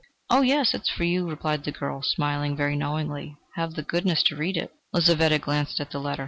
"Oh, yes, it is for you," replied the girl, smiling very knowingly. "Have the goodness to read it." Lizaveta glanced at the letter.